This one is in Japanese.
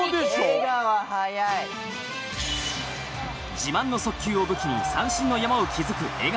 自慢の速球を武器に三振の山を築く江川。